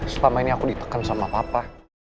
selama ini aku ditekan sama papa